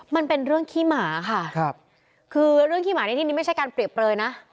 มันเป็นเรื่องขี้หมาค่ะครับคือเรื่องขี้หมาในที่นี้ไม่ใช่การเปรียบเปลยนะ